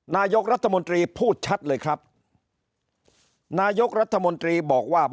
นายกรัฐมนตรีพูดชัดเลยครับนายกรัฐมนตรีบอกว่า